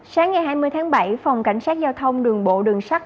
sáng ngày hai mươi tháng bảy phòng cảnh sát giao thông đường bộ đường sắt